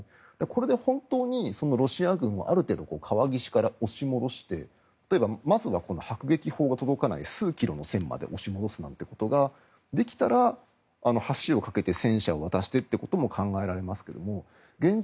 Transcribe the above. これで本当にロシア軍をある程度、川岸から押し戻して例えばまずは迫撃砲が届かない数キロの線まで押し戻すことができたら、橋を架けて戦車を渡してということも考えられますが現状